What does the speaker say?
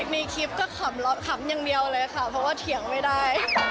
มีคลิปก็ขำอย่างเดียวเลยค่ะเพราะว่าเถียงไม่ได้